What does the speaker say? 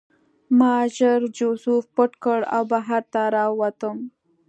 ما ژر جوزف پټ کړ او بهر راووتم